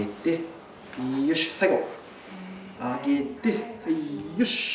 最後上げてはいよし！